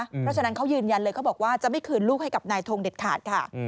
เพราะฉะนั้นเขายืนยันเลยเขาบอกว่าจะไม่คืนลูกให้กับนายทงเด็ดขาดค่ะ